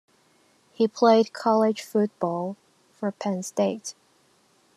He played college football for Penn State.